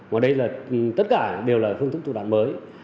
mà đây là tất cả đều là phương thức thủ đoạn mới